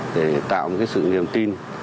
để tạo một sự niềm tin